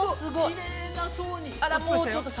きれいな層に。